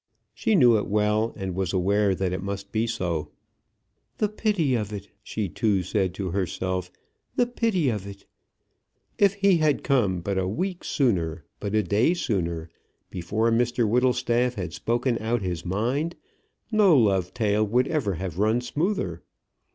She knew it well, and was aware that it must be so. "The pity of it," she too said to herself; "the pity of it!" If he had but come a week sooner, but a day sooner, before Mr Whittlestaff had spoken out his mind, no love tale would ever have run smoother.